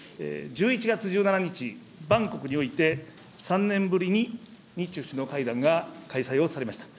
１１月１７日、バンコクにおいて、３年ぶりに日中首脳会談が開催をされました。